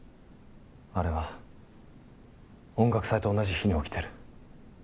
あれは音楽祭と同じ日に起きてる。